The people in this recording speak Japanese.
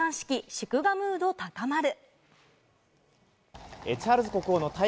祝賀ムード高まる。